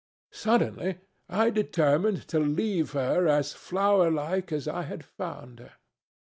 Suddenly I determined to leave her as flowerlike as I had found her."